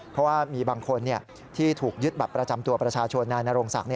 เพราะว่ามีบางคนที่ถูกยึดบัตรประจำตัวประชาชนนายนโรงศักดิ์